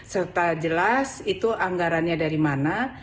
serta jelas itu anggarannya dari mana